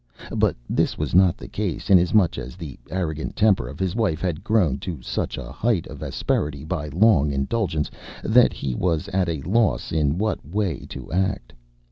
But this was not the case, inasmuch as the arrogant temper of his wife had grown to such a height of asperity by long indulgence, that he was at a loss in what way to act.